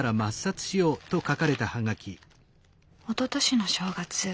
おととしの正月。